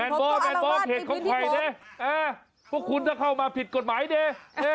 แบนบอลแบนบอลเขตของข่อยนี่พวกคุณถ้าเข้ามาผิดกฎหมายนี่